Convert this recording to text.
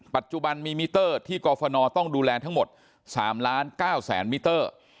ปัจจุบันมีมิเตอร์ที่กรฟนต้องดูแลทั้งหมด๓ล้าน๙แสนมิเตอร์